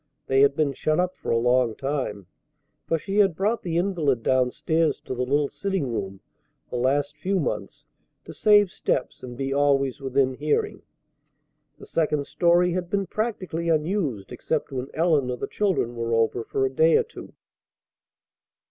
They had been shut up a long time, for she had brought the invalid down stairs to the little sitting room the last few months to save steps and be always within hearing. The second story had been practically unused except when Ellen or the children were over for a day or two.